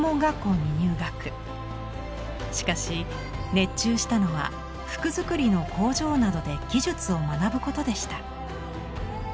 しかし熱中したのは服作りの工場などで技術を学ぶことでした。